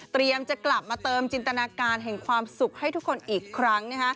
จะกลับมาเติมจินตนาการแห่งความสุขให้ทุกคนอีกครั้ง